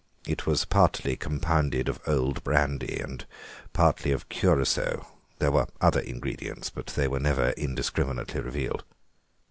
It was partly compounded of old brandy and partly of curaçoa; there were other ingredients, but they were never indiscriminately revealed.